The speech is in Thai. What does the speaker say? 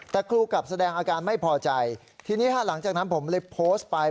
แต่ครูกลับแสดงอาการไม่พอใจทีนี้หลังจากนั้นผมเลยโพสต์ไป